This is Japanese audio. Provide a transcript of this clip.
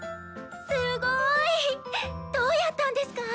すごい！どうやったんですか？